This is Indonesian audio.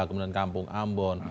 kemudian kampung ambon